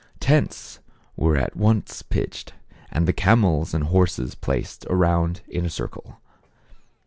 Tents were at once pitched, and the camels and horses ^ placed around in a cir cle.